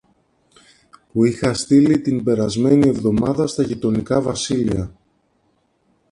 που είχα στείλει την περασμένη εβδομάδα στα γειτονικά βασίλεια